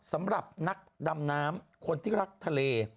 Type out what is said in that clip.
สำหรับนักดำน้ำคนที่รักทะเล